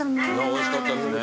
おいしかったですね。